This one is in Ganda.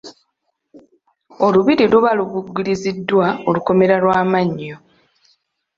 Olubiri luba lubugiriziddwa olukomera lw'amannyo.